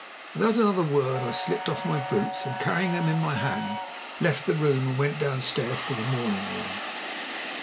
Without another word I slipped off my boots, and carrying them in my hand, left the room, and went downstairs to the morning room.